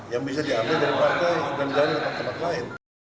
yang bisa diambil dari partai dan dari tempat tempat lain